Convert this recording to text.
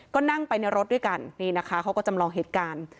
ก็นั่งไปในรถด้วยกันนี่นะคะเขาก็จำลองเหตุการณ์